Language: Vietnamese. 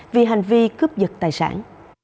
vì hành vi cướp dật tài sản